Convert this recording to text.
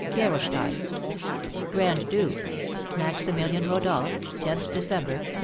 "GEROLSTEIN. "Grand Duke: MAXIMILIAN RODOLPH, 10th December, 1764.